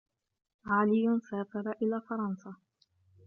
عَلِيٌّ سَافَرَ إِلَى فَرَنْسا.